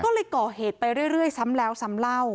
ก็เลยก่อเหตุไปเรื่อยซ้ำแล้วซ้ำเล่า